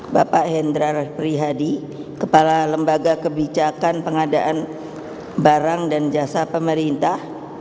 bapak hendrar prihadi kepala lembaga kebijakan pengadaan barang dan jasa pemerintah